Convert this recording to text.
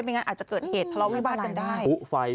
ไม่งั้นอาจจะเจิดเหตุถ้าเราไม่บ้านกันได้